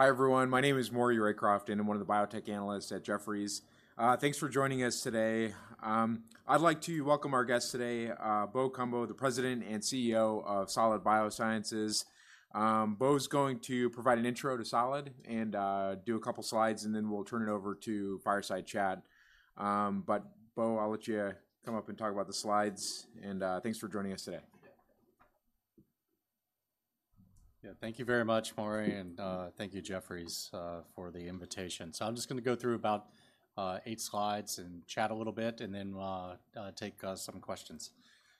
Hi, everyone. My name is Maury Raycroft, and I'm one of the biotech analysts at Jefferies. Thanks for joining us today. I'd like to welcome our guest today, Bo Cumbo, the President and CEO of Solid Biosciences. Bo's going to provide an intro to Solid, and do a couple slides, and then we'll turn it over to fireside chat. But Bo, I'll let you come up and talk about the slides, and thanks for joining us today. Yeah, thank you very much, Maury, and, thank you, Jefferies, for the invitation. So I'm just gonna go through about eight slides and chat a little bit, and then take some questions.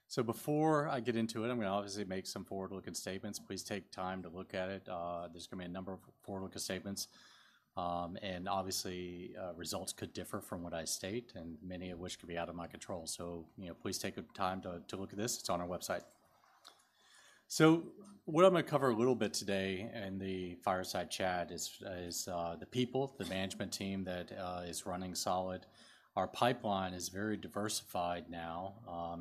So before I get into it, I'm gonna obviously make some forward-looking statements. Please take time to look at it. There's gonna be a number of forward-looking statements, and obviously results could differ from what I state, and many of which could be out of my control. So, you know, please take the time to look at this. It's on our website. So what I'm gonna cover a little bit today in the Fireside Chat is the people, the management team that is running Solid. Our pipeline is very diversified now,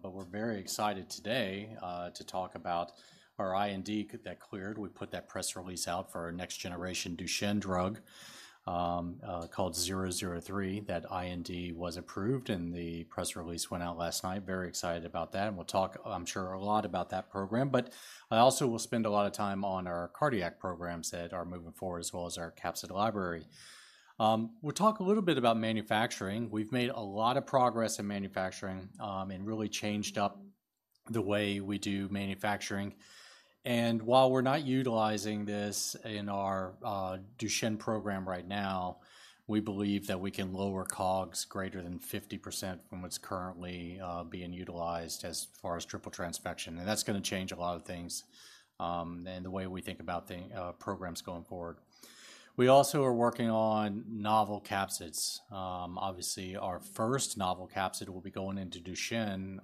but we're very excited today to talk about our IND that cleared. We put that press release out for our next generation Duchenne drug called SGT-003. That IND was approved, and the press release went out last night. Very excited about that, and we'll talk, I'm sure, a lot about that program, but I also will spend a lot of time on our cardiac programs that are moving forward, as well as our capsid library. We'll talk a little bit about manufacturing. We've made a lot of progress in manufacturing, and really changed up the way we do manufacturing. While we're not utilizing this in our Duchenne program right now, we believe that we can lower COGS greater than 50% from what's currently being utilized as far as triple transfection, and that's gonna change a lot of things in the way we think about the programs going forward. We also are working on novel capsids. Obviously, our first novel capsid will be going into Duchenne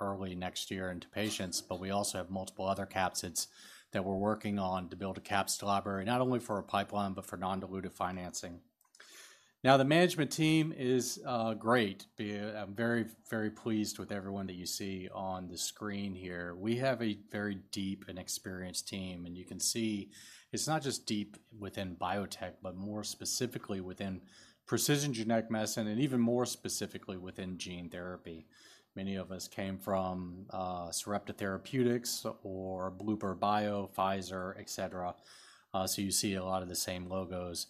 early next year into patients, but we also have multiple other capsids that we're working on to build a capsid library, not only for our pipeline, but for non-dilutive financing. Now, the management team is great. I'm very, very pleased with everyone that you see on the screen here. We have a very deep and experienced team, and you can see it's not just deep within biotech, but more specifically within precision genetic medicine, and even more specifically, within gene therapy. Many of us came from Sarepta Therapeutics or bluebird bio, Pfizer, et cetera, so you see a lot of the same logos.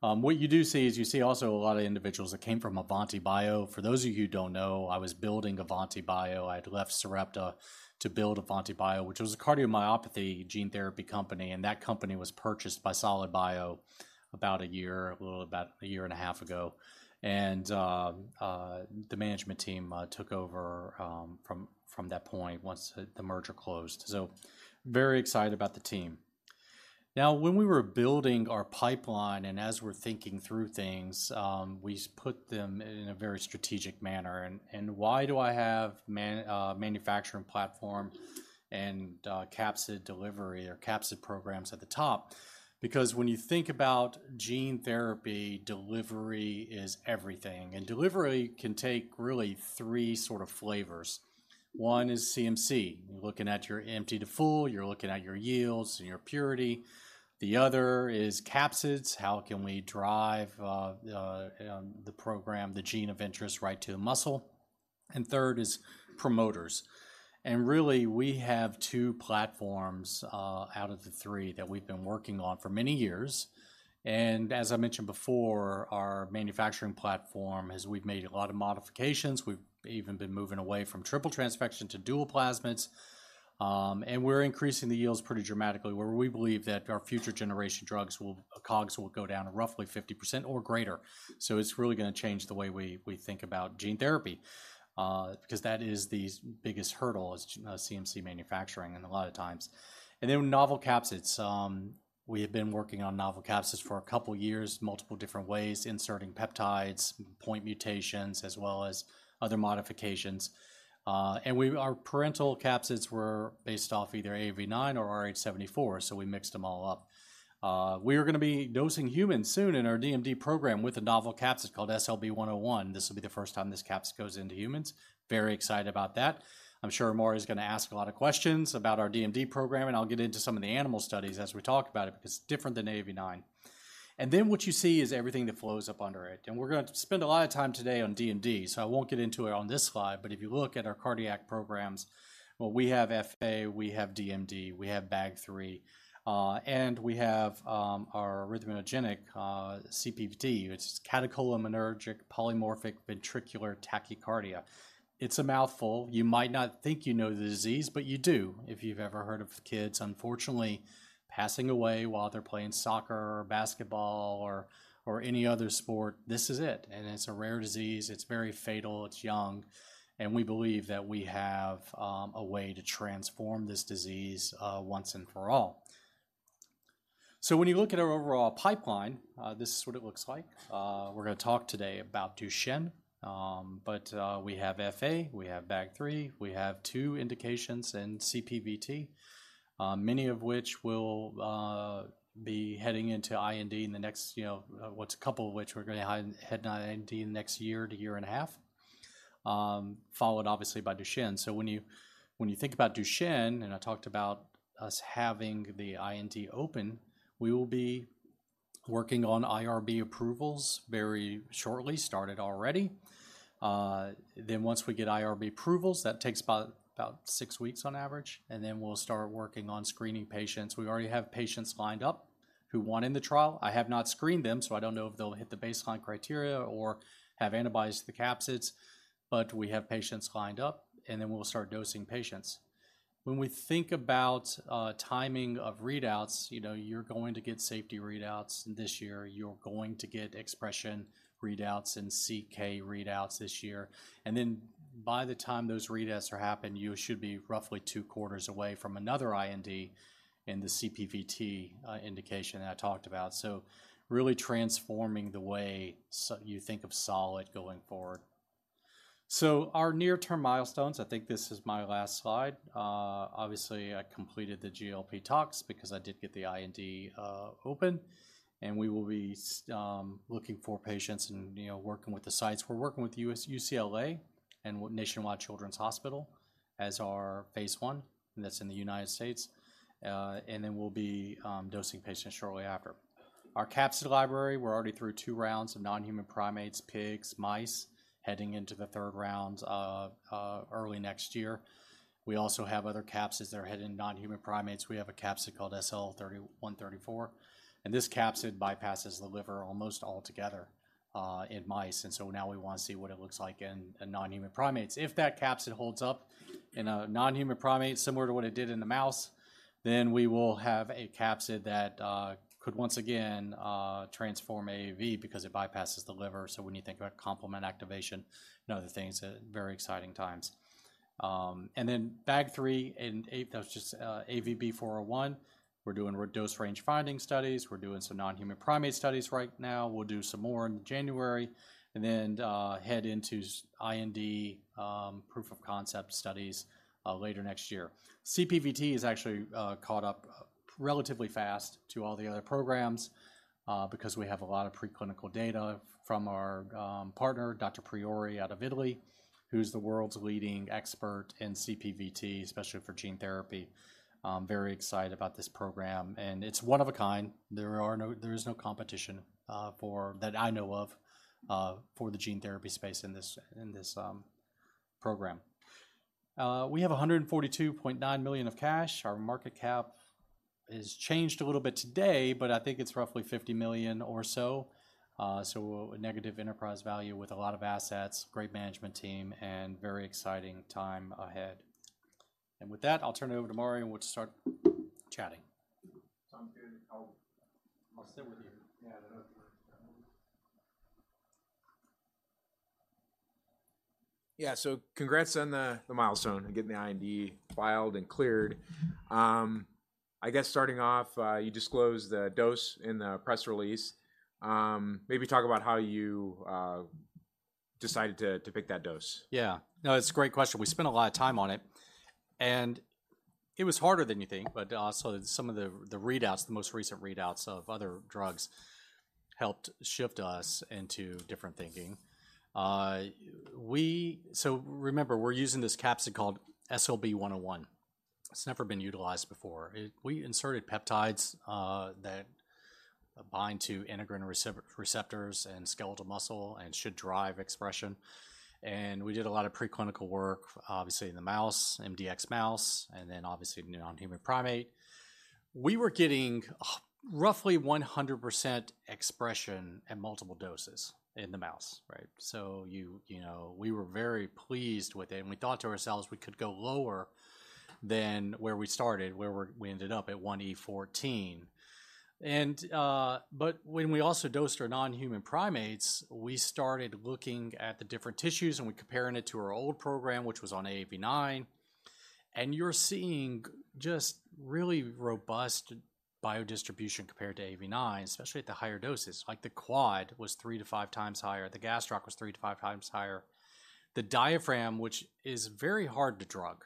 What you do see is you see also a lot of individuals that came from AavantiBio. For those of you who don't know, I was building AavantiBio. I'd left Sarepta to build AavantiBio, which was a cardiomyopathy gene therapy company, and that company was purchased by Solid Bio about a year, well, about a year and a half ago, and the management team took over from that point, once the merger closed. So very excited about the team. Now, when we were building our pipeline, and as we're thinking through things, we put them in a very strategic manner, and why do I have manufacturing platform and capsid delivery or capsid programs at the top? Because when you think about gene therapy, delivery is everything, and delivery can take really three sort of flavors. One is CMC. You're looking at your empty to full, you're looking at your yields and your purity. The other is capsids. How can we drive the program, the gene of interest, right to the muscle? And third is promoters, and really, we have two platforms out of the three that we've been working on for many years, and as I mentioned before, our manufacturing platform, as we've made a lot of modifications, we've even been moving away from triple transfection to dual plasmids, and we're increasing the yields pretty dramatically, where we believe that our future generation drugs will COGS will go down roughly 50% or greater. So it's really gonna change the way we, we think about gene therapy, because that is the biggest hurdle, is CMC manufacturing, and a lot of times. And then novel capsids. We have been working on novel capsids for two years, multiple different ways, inserting peptides, point mutations, as well as other modifications. And we, our parental capsids were based off either AAV9 or rh74, so we mixed them all up. We are gonna be dosing humans soon in our DMD program with a novel capsid called SLB101. This will be the first time this capsid goes into humans. Very excited about that. I'm sure Maury is gonna ask a lot of questions about our DMD program, and I'll get into some of the animal studies as we talk about it, because it's different than AAV9. And then what you see is everything that flows up under it, and we're gonna spend a lot of time today on DMD, so I won't get into it on this slide, but if you look at our cardiac programs, well, we have FA, we have DMD, we have BAG3, and we have our arrhythmogenic CPVT. It's catecholaminergic polymorphic ventricular tachycardia. It's a mouthful. You might not think you know the disease, but you do, if you've ever heard of kids unfortunately passing away while they're playing soccer or basketball or any other sport, this is it, and it's a rare disease. It's very fatal, it's young, and we believe that we have a way to transform this disease once and for all. So when you look at our overall pipeline, this is what it looks like. We're gonna talk today about Duchenne, but we have FA, we have BAG3, we have two indications in CPVT, many of which will be heading into IND in the next, you know, what's. A couple of which we're gonna head into IND in the next year to year and a half, followed obviously by Duchenne. So when you think about Duchenne, and I talked about us having the IND open, we will be working on IRB approvals very shortly, started already. Then once we get IRB approvals, that takes about 6 weeks on average, and then we'll start working on screening patients. We already have patients lined up who want in the trial. I have not screened them, so I don't know if they'll hit the baseline criteria or have antibodies to the capsids, but we have patients lined up, and then we'll start dosing patients. When we think about timing of readouts, you know, you're going to get safety readouts this year. You're going to get expression readouts and CK readouts this year, and then by the time those readouts are happened, you should be roughly two quarters away from another IND in the CPVT indication that I talked about. So really transforming the way you think of Solid going forward. So our near-term milestones, I think this is my last slide. Obviously, I completed the GLP tox because I did get the IND open, and we will be looking for patients and, you know, working with the sites. We're working with U.S., UCLA, and Nationwide Children's Hospital as our phase one, and that's in the United States. And then we'll be dosing patients shortly after. Our capsid library, we're already through two rounds of non-human primates, pigs, mice, heading into the third round of early next year. We also have other capsids that are headed in non-human primates. We have a capsid called SL-3134, and this capsid bypasses the liver almost altogether, in mice, and so now we wanna see what it looks like in, in non-human primates. If that capsid holds up in a non-human primate, similar to what it did in the mouse, then we will have a capsid that, could once again, transform AAV because it bypasses the liver. So when you think about complement activation and other things, very exciting times. And then BAG3. That's just AVB-401. We're doing dose range finding studies. We're doing some non-human primate studies right now. We'll do some more in January, and then, head into IND proof of concept studies, later next year. CPVT is actually, caught up relatively fast to all the other programs, because we have a lot of preclinical data from our, partner, Dr. Priori, out of Italy, who's the world's leading expert in CPVT, especially for gene therapy. I'm very excited about this program, and it's one of a kind. There are no-- there is no competition, for... that I know of, for the gene therapy space in this, in this, program. We have $142.9 million of cash. Our market cap has changed a little bit today, but I think it's roughly $50 million or so. So a negative enterprise value with a lot of assets, great management team, and very exciting time ahead. And with that, I'll turn it over to Maury, and we'll start chatting. Sounds good. I'll sit with you. Yeah, so congrats on the milestone and getting the IND filed and cleared. I guess starting off, you disclosed the dose in the press release. Maybe talk about how you decided to pick that dose. Yeah. No, it's a great question. We spent a lot of time on it, and it was harder than you think, but also some of the readouts, the most recent readouts of other drugs helped shift us into different thinking. So remember, we're using this capsid called SLB101. It's never been utilized before. We inserted peptides that bind to integrin receptors and skeletal muscle and should drive expression, and we did a lot of preclinical work, obviously in the mouse, MDX mouse, and then obviously in the non-human primate. We were getting roughly 100% expression at multiple doses in the mouse, right? So you know, we were very pleased with it, and we thought to ourselves we could go lower than where we started, where we ended up at 1E14. When we also dosed our non-human primates, we started looking at the different tissues, and we're comparing it to our old program, which was on AAV9, and you're seeing just really robust biodistribution compared to AAV9, especially at the higher doses. Like the quad was three to five times higher. The gastroc was three to five times higher. The diaphragm, which is very hard to drug,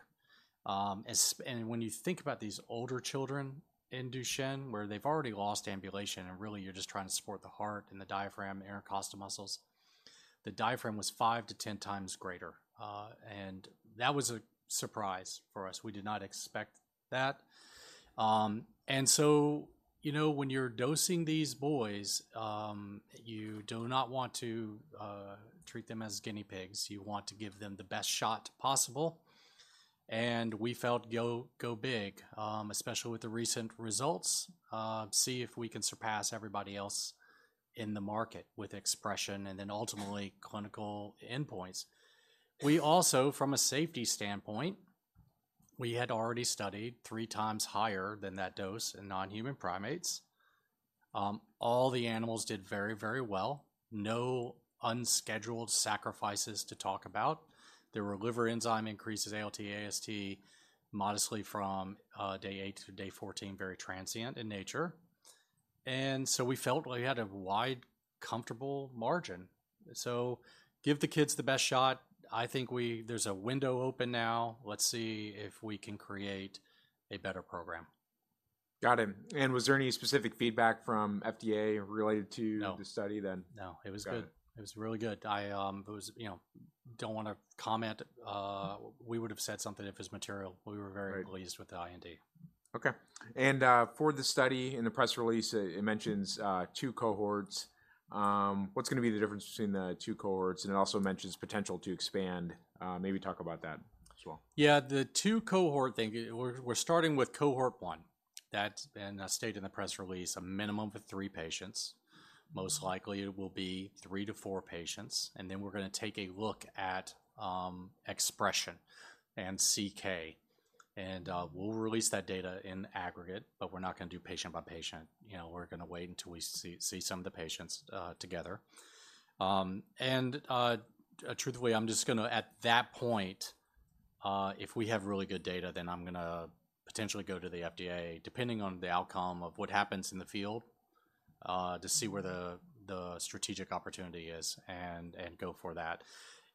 and when you think about these older children in Duchenne, where they've already lost ambulation and really, you're just trying to support the heart and the diaphragm, intercostal muscles, the diaphragm was five-10 times greater, and that was a surprise for us. We did not expect that. And so, you know, when you're dosing these boys, you do not want to treat them as guinea pigs. You want to give them the best shot possible, and we felt, "Go, go big," especially with the recent results, see if we can surpass everybody else in the market with expression and then ultimately, clinical endpoints. We also, from a safety standpoint, we had already studied three times higher than that dose in non-human primates. All the animals did very, very well. No unscheduled sacrifices to talk about. There were liver enzyme increases, ALT, AST, modestly from day eight to day 14, very transient in nature, and so we felt we had a wide, comfortable margin. So give the kids the best shot. I think we- there's a window open now. Let's see if we can create a better program. Got it. And was there any specific feedback from FDA related to? No. The study then? No, it was good. Got it. It was really good. I, it was, you know, don't want to comment. We would have said something if it was material. Right. But we were very pleased with the IND. Okay. For the study in the press release, it mentions two cohorts. What's going to be the difference between the two cohorts? And it also mentions potential to expand. Maybe talk about that as well. Yeah, the two cohort thing, we're starting with cohort one. That, and I stated in the press release, a minimum of three patients. Most likely it will be three to four patients, and then we're going to take a look at expression and CK, and we'll release that data in aggregate, but we're not going to do patient by patient. You know, we're going to wait until we see some of the patients together. And truthfully, I'm just going to, at that point, if we have really good data, then I'm going to potentially go to the FDA, depending on the outcome of what happens in the field. To see where the strategic opportunity is and go for that.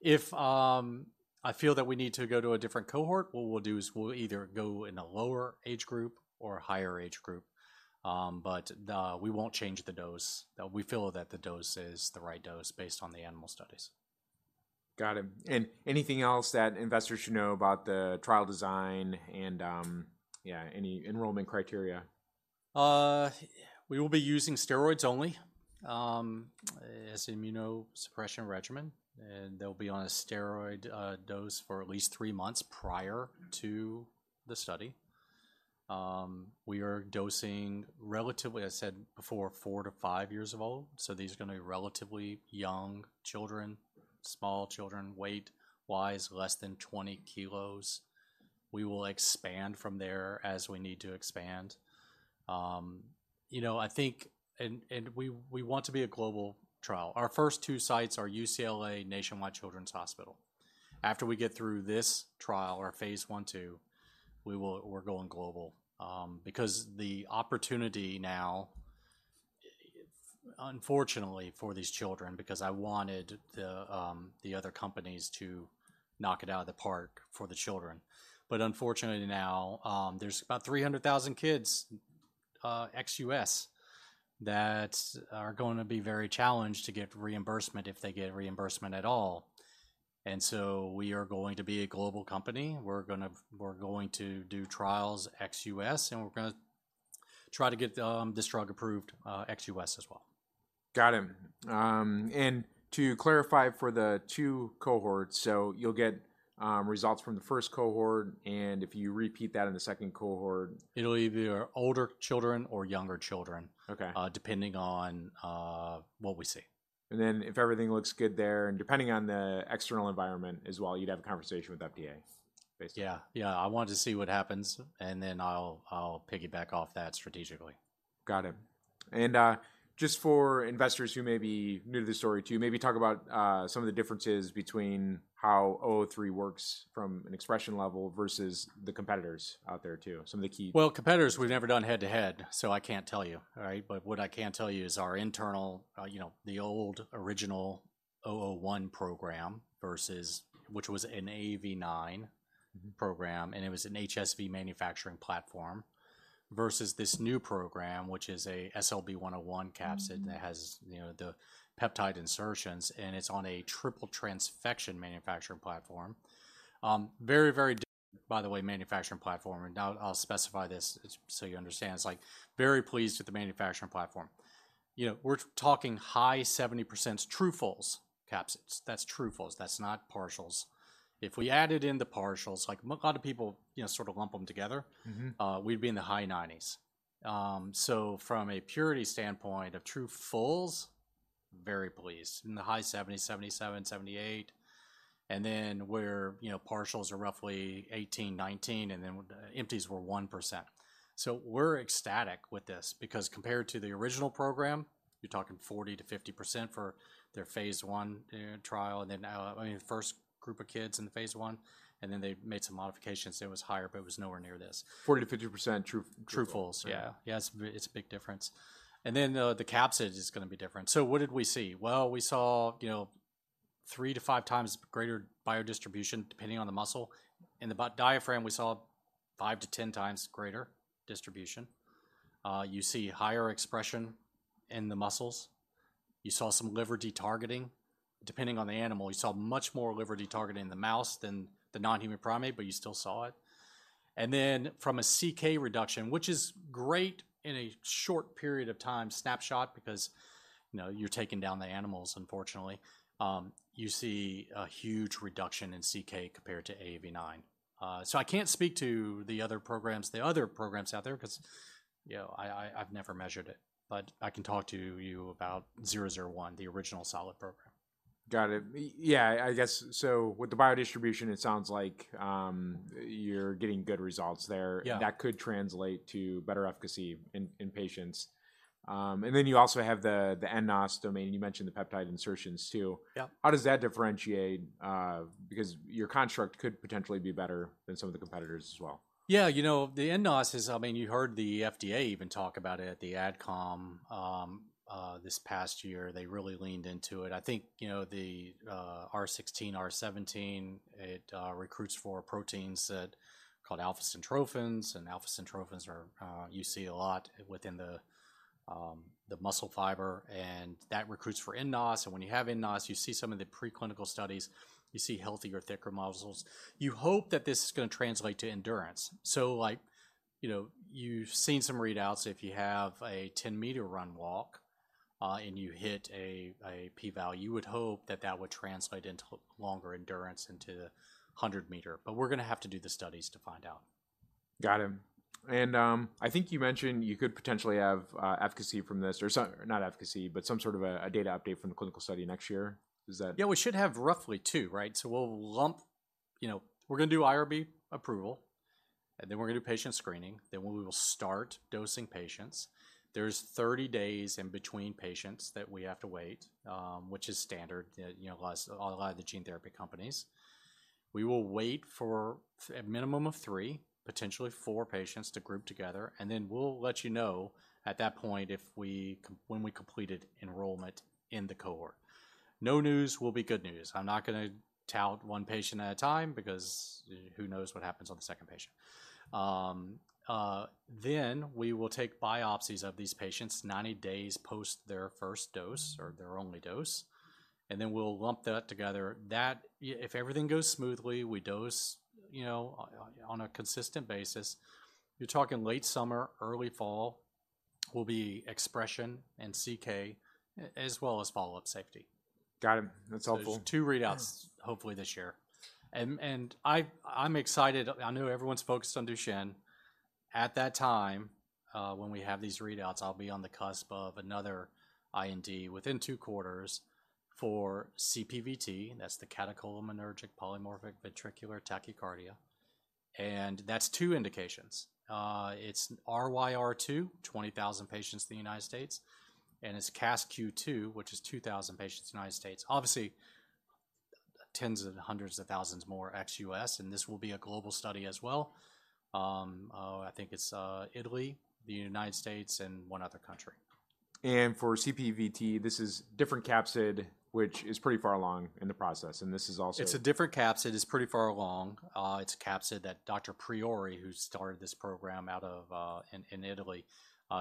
If I feel that we need to go to a different cohort, what we'll do is we'll either go in a lower age group or a higher age group, but we won't change the dose. We feel that the dose is the right dose based on the animal studies. Got it. Anything else that investors should know about the trial design and, yeah, any enrollment criteria? We will be using steroids only, as immunosuppression regimen, and they'll be on a steroid dose for at least three months prior to the study. We are dosing relatively, I said before, four to five-year-old, so these are going to be relatively young children, small children, weight-wise, less than 20 kilos. We will expand from there as we need to expand. You know, I think. And, and we, we want to be a global trial. Our first two sites are UCLA, Nationwide Children's Hospital. After we get through this trial or phase I-II, we will, we're going global. Because the opportunity now, unfortunately, for these children, because I wanted the, the other companies to knock it out of the park for the children. But unfortunately now, there's about 300,000 kids, ex-U.S., that are going to be very challenged to get reimbursement if they get reimbursement at all. And so we are going to be a global company. We're going to do trials ex-U.S., and we're going to try to get this drug approved, ex-U.S. as well. Got it. And to clarify for the two cohorts, so you'll get results from the first cohort, and if you repeat that in the second cohort. It'll either be older children or younger children. Okay Depending on what we see. And then if everything looks good there, and depending on the external environment as well, you'd have a conversation with FDA, basically? Yeah. Yeah, I want to see what happens, and then I'll, I'll piggyback off that strategically. Got it. And, just for investors who may be new to the story, too, maybe talk about, some of the differences between how 003 works from an expression level versus the competitors out there, too. Some of the key- Well, competitors, we've never done head-to-head, so I can't tell you, right? But what I can tell you is our internal, you know, the old original 001 program versus. Which was an AAV9 program, and it was an HSV manufacturing platform, versus this new program, which is a SLB101 capsid that has, you know, the peptide insertions, and it's on a triple transfection manufacturing platform. Very, very different, by the way, manufacturing platform, and I'll, I'll specify this so you understand. It's like very pleased with the manufacturing platform. You know, we're talking high 70% true fulls capsids. That's true fulls, that's not partials. If we added in the partials, like a lot of people, you know, sort of lump them together. We'd be in the high 90s. So from a purity standpoint of true fulls, very pleased, in the high 70s, 77, 78. And then where, you know, partials are roughly 18, 19, and then empties were 1%. So we're ecstatic with this because compared to the original program, you're talking 40%-50% for their phase 1 trial, and then, I mean, the first group of kids in the phase 1, and then they made some modifications, and it was higher, but it was nowhere near this. 40%-50% true fulls. True fulls. Yeah. Yeah, it's a, it's a big difference. And then, the capsid is going to be different. So what did we see? Well, we saw, you know, three to five times greater biodistribution, depending on the muscle. In the diaphragm, we saw five-10 times greater distribution. You see higher expression in the muscles. You saw some liver detargeting, depending on the animal. You saw much more liver detargeting in the mouse than the non-human primate, but you still saw it. And then from a CK reduction, which is great in a short period of time snapshot, because, you know, you're taking down the animals, unfortunately, you see a huge reduction in CK compared to AAV9. So I can't speak to the other programs out there, because, you know, I've never measured it, but I can talk to you about 001, the original Solid program. Got it. Yeah, I guess, so with the biodistribution, it sounds like you're getting good results there. Yeah. That could translate to better efficacy in patients. And then you also have the nNOS domain. You mentioned the peptide insertions, too. Yeah. How does that differentiate? Because your construct could potentially be better than some of the competitors as well. Yeah, you know, the nNOS is. I mean, you heard the FDA even talk about it at the AdCom this past year. They really leaned into it. I think, you know, the R16, R17, it recruits for proteins that called alpha syntrophin, and alpha syntrophin are you see a lot within the the muscle fiber, and that recruits for nNOS. And when you have nNOS, you see some of the preclinical studies, you see healthier, thicker muscles. You hope that this is gonna translate to endurance. So like, you know, you've seen some readouts. If you have a 10-meter run/walk, and you hit a, a p-value, you would hope that that would translate into longer endurance, into the 100-meter, but we're gonna have to do the studies to find out. Got it. And, I think you mentioned you could potentially have efficacy from this or so, not efficacy, but some sort of a data update from the clinical study next year. Is that? Yeah, we should have roughly two, right? So we'll lump. You know, we're gonna do IRB approval, and then we're gonna do patient screening, then we will start dosing patients. There's 30 days in between patients that we have to wait, which is standard, you know, a lot of the gene therapy companies. We will wait for a minimum of three, potentially four patients to group together, and then we'll let you know at that point when we completed enrollment in the cohort. No news will be good news. I'm not gonna tout one patient at a time because who knows what happens on the second patient. Then we will take biopsies of these patients 90 days post their first dose or their only dose, and then we'll lump that together. That, if everything goes smoothly, we dose, you know, on a consistent basis, you're talking late summer, early fall will be expression and CK, as well as follow-up safety. Got it. That's helpful. There's two readouts hopefully this year. And I'm excited. I know everyone's focused on Duchenne. At that time, when we have these readouts, I'll be on the cusp of another IND within two quarters for CPVT, that's the catecholaminergic polymorphic ventricular tachycardia, and that's two indications. It's RYR2, 20,000 patients in the United States, and it's CASQ2, which is 2,000 patients in the United States. Obviously, tens of hundreds of thousands more ex-U.S., and this will be a global study as well. I think it's Italy, the United States, and one other country. For CPVT, this is different capsid, which is pretty far along in the process, and this is also. It's a different capsid. It's pretty far along. It's a capsid that Dr. Priori, who started this program out of, in Italy,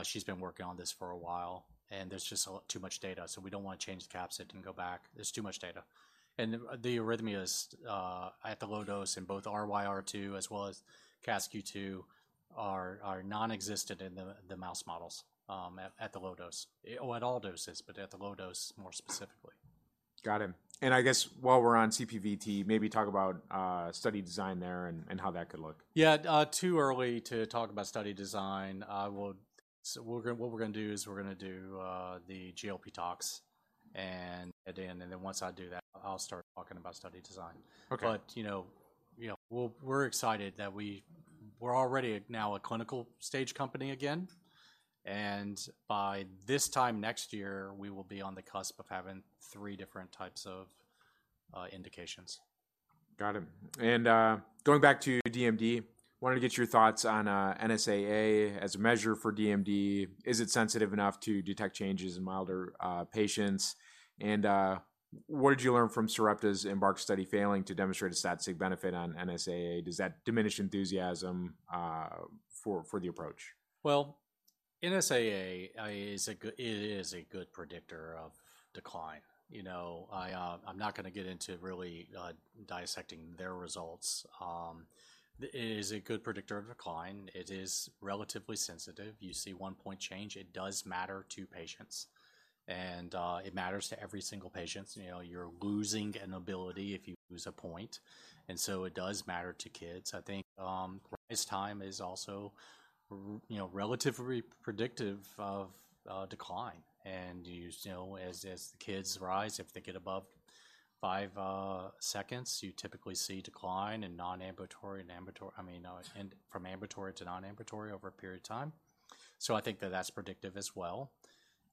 she's been working on this for a while, and there's just a lot too much data, so we don't want to change the capsid and go back. There's too much data. And the, the arrhythmias, at the low dose in both RYR2 as well as CASQ2 are, are nonexistent in the, the mouse models, at the low dose. Well, at all doses, but at the low dose more specifically. Got it. I guess while we're on CPVT, maybe talk about study design there and how that could look. Yeah, too early to talk about study design. So what we're gonna do is we're gonna do the GLP talks and then once I do that, I'll start talking about study design. Okay. You know, you know, we're, we're excited that we're already now a clinical stage company again, and by this time next year, we will be on the cusp of having three different types of indications. Got it. And, going back to DMD, wanted to get your thoughts on NSAA as a measure for DMD. Is it sensitive enough to detect changes in milder patients? And, what did you learn from Sarepta's EMBARK study failing to demonstrate a statistical benefit on NSAA? Does that diminish enthusiasm for the approach? Well, NSAA is a good, it is a good predictor of decline. You know, I, I'm not gonna get into really dissecting their results. It is a good predictor of decline. It is relatively sensitive. You see one point change, it does matter to patients, and it matters to every single patient. You know, you're losing an ability if you lose a point, and so it does matter to kids. I think, this time is also, you know, relatively predictive of decline. You know, as the kids rise, if they get above five seconds, you typically see decline in non-ambulatory and ambulatory. I mean, and from ambulatory to non-ambulatory over a period of time. So I think that that's predictive as well.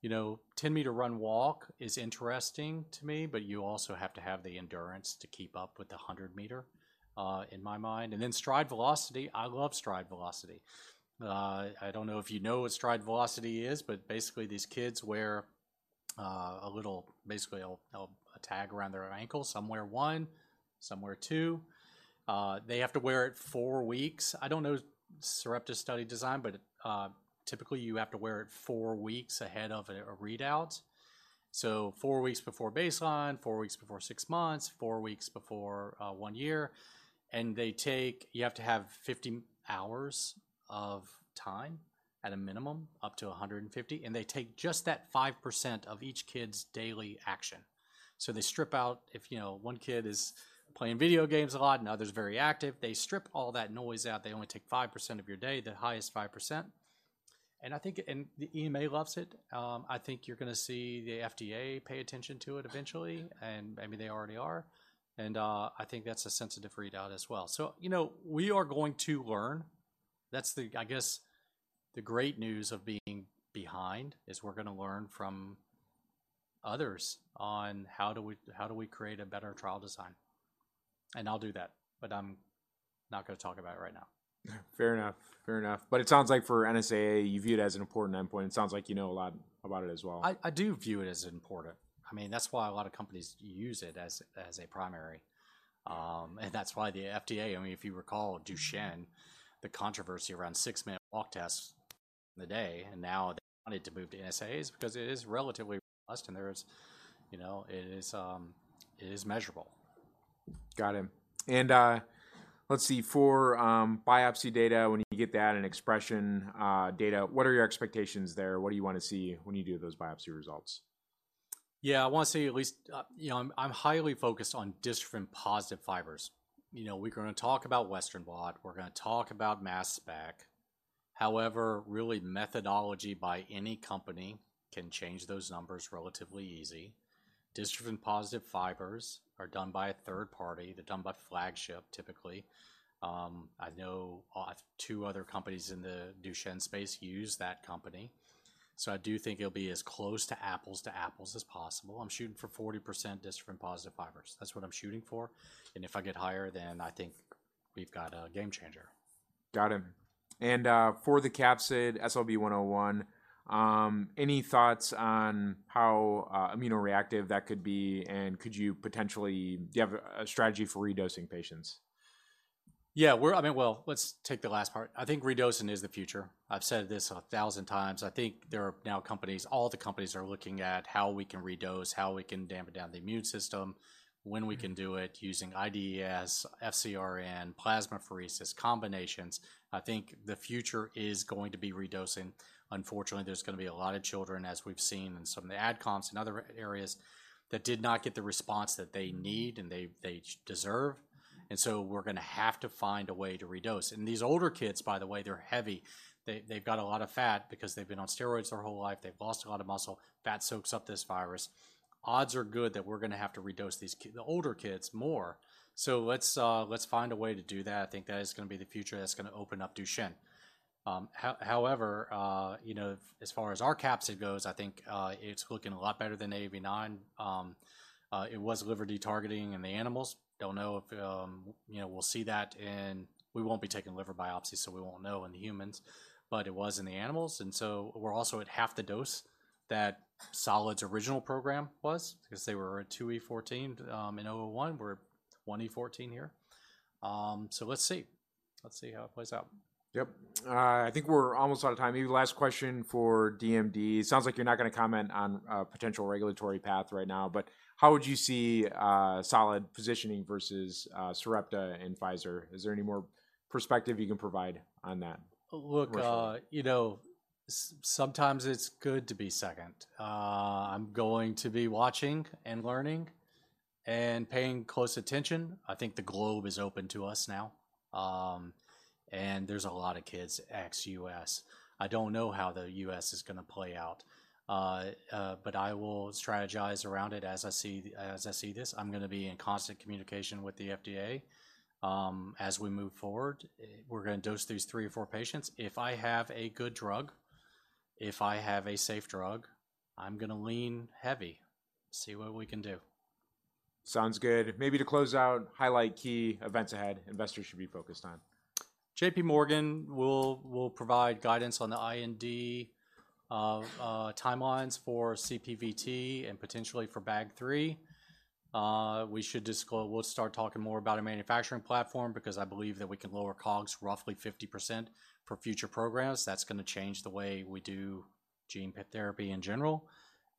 You know, 10-meter run walk is interesting to me, but you also have to have the endurance to keep up with the 100-meter, in my mind. And then stride velocity, I love stride velocity. I don't know if you know what stride velocity is, but basically these kids wear a little, basically a tag around their ankle. Some wear one, some wear two. They have to wear it four weeks. I don't know Sarepta's study design, but typically you have to wear it four weeks ahead of a readout. So four weeks before baseline, four weeks before six months, four weeks before one year, and they take. You have to have 50 hours of time at a minimum, up to 150, and they take just that 5% of each kid's daily action. So they strip out, if, you know, one kid is playing video games a lot, another's very active, they strip all that noise out. They only take 5% of your day, the highest 5%. And I think, and the EMA loves it. I think you're gonna see the FDA pay attention to it eventually, and maybe they already are. And I think that's a sensitive readout as well. So, you know, we are going to learn. That's the. I guess, the great news of being behind, is we're gonna learn from others on how do we, how do we create a better trial design? And I'll do that, but I'm not gonna talk about it right now. Fair enough. Fair enough. But it sounds like for NSAA, you view it as an important endpoint. It sounds like you know a lot about it as well. I do view it as important. I mean, that's why a lot of companies use it as a primary. And that's why the FDA, I mean, if you recall, Duchenne, the controversy around six-minute walk tests in the day, and now they wanted to move to NSAA because it is relatively robust and there is, you know, it is measurable. Got it. And, let's see, for biopsy data, when you get that and expression data, what are your expectations there? What do you want to see when you do those biopsy results? Yeah, I want to see at least, you know, I'm highly focused on dystrophin positive fibers. You know, we're going to talk about Western blot, we're going to talk about mass spec. However, really, methodology by any company can change those numbers relatively easy. Dystrophin positive fibers are done by a third party. They're done by Flagship, typically. I know two other companies in the Duchenne space use that company, so I do think it'll be as close to apples to apples as possible. I'm shooting for 40% dystrophin positive fibers. That's what I'm shooting for, and if I get higher, then I think we've got a game changer. Got it. And, for the capsid SLB101, any thoughts on how immunoreactive that could be, and could you potentially. Do you have a strategy for redosing patients? Yeah, I mean, well, let's take the last part. I think redosing is the future. I've said this a thousand times. I think there are now companies, all the companies are looking at how we can redose, how we can dampen down the immune system, when we can do it using IDeS, FcRn, plasmapheresis, combinations. I think the future is going to be redosing. Unfortunately, there's going to be a lot of children, as we've seen in some of the AdComs in other areas, that did not get the response that they need, and they deserve, and so we're going to have to find a way to redose. And these older kids, by the way, they're heavy. They've got a lot of fat because they've been on steroids their whole life. They've lost a lot of muscle. Fat soaks up this virus. Odds are good that we're going to have to redose these older kids more. So let's, let's find a way to do that. I think that is going to be the future, that's going to open up Duchenne. However, you know, as far as our capsid goes, I think, it's looking a lot better than AAV9. It was liver de-targeting in the animals. Don't know if, you know, we'll see that in... We won't be taking liver biopsies, so we won't know in the humans, but it was in the animals, and so we're also at half the dose that Solid's original program was, because they were at 2 × 10^14, in oh one. We're 1 × 10^14 here. So let's see. Let's see how it plays out. Yep. I think we're almost out of time. Maybe last question for DMD. Sounds like you're not going to comment on potential regulatory path right now, but how would you see Solid positioning versus Sarepta and Pfizer? Is there any more perspective you can provide on that? Look, you know, sometimes it's good to be second. I'm going to be watching and learning and paying close attention. I think the globe is open to us now, and there's a lot of kids ex-U.S. I don't know how the U.S. is going to play out, but I will strategize around it as I see, as I see this. I'm going to be in constant communication with the FDA, as we move forward. We're going to dose these three or four patients. If I have a good drug, if I have a safe drug, I'm going to lean heavy, see what we can do. Sounds good. Maybe to close out, highlight key events ahead investors should be focused on. JPMorgan will provide guidance on the IND timelines for CPVT and potentially for BAG3. We should disclose. We'll start talking more about a manufacturing platform because I believe that we can lower COGS roughly 50% for future programs. That's going to change the way we do gene therapy in general,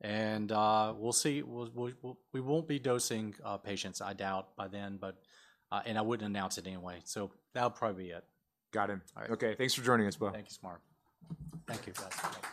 and we'll see. We won't be dosing patients, I doubt, by then, but and I wouldn't announce it anyway, so that'll probably be it. Got it. All right. Okay, thanks for joining us, Bo. Thank you, Maury. Thank you, guys.